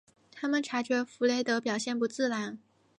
他们察觉弗雷德表现不自然。